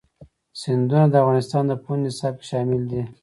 سیندونه د افغانستان د پوهنې نصاب کې شامل دي.